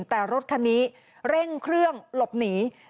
แต่รถคันนี้เร่งเครื่องหลบหนี